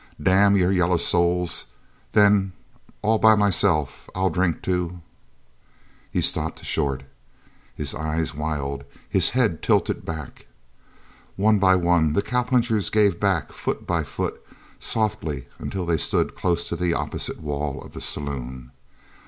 "Damn your yaller souls! Then all by myself I'll drink to " He stopped short, his eyes wild, his head tilted back. One by one the cowpunchers gave back, foot by foot, softly, until they stood close to the opposite wall of the saloon.